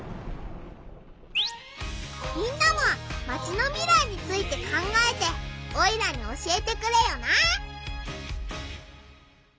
みんなもマチの未来について考えてオイラに教えてくれよな！